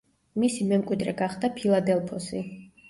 მისი მემკვიდრე გახდა ფილადელფოსი.